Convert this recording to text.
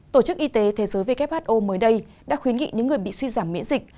tổ chức y tế thế giới who mới đây đã khuyến nghị những người bị suy giảm miễn dịch